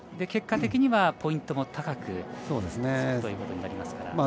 結果的にはポイントも高くなるということになりますから。